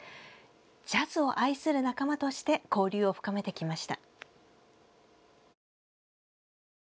ジャズを愛する仲間として交流を深めてきました。